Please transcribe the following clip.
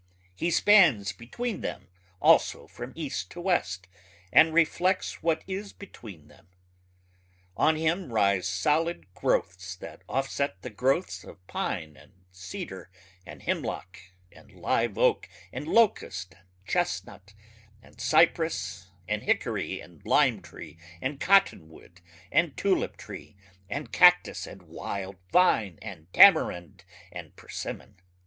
He spans between them also from east to west and reflects what is between them. On him rise solid growths that offset the growths of pine and cedar and hemlock and live oak and locust and chestnut and cypress and hickory and limetree and cottonwood and tuliptree and cactus and wildvine and tamarind and persimmon